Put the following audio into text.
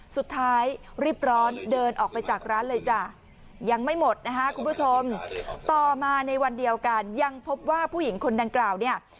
สุดท้ายรีบร้อนเดินออกไปจากร้านเลยจ้ะยังไม่หมดนะคะคุณผู้ชมต่อมาในวันเดียวกันยังพบว่าผู้หญิงคนดังกล่าวเนี่ย